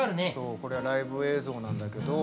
これはライブ映像なんだけど。